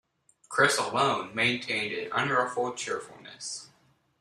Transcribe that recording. Chris alone maintained an unruffled cheerfulness.